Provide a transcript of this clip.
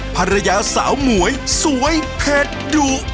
ภรรยาสาวหมวยสวยเผ็ดดุ